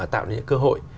tạo nên những cơ hội